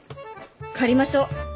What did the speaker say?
借りましょう！